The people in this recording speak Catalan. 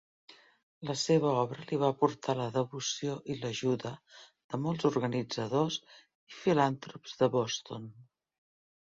La seva obra li va portar la devoció i l'ajuda de molts organitzadors i filantrops de Boston.